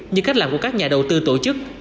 như cách làm của các nhà đầu tư tổ chức